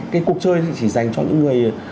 cái cuộc chơi chỉ dành cho những người